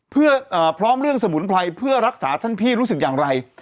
เพื่อพร้อมเรื่องสมุนไพรเพื่อรักษาท่านพี่รู้สึกอย่างไร